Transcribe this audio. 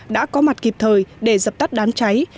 đã có mặt kịp thời để dập tắt đám cháy